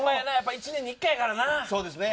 １年に１回やからな。